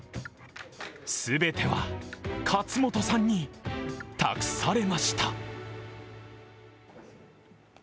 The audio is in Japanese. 全ては勝本さんに託されました。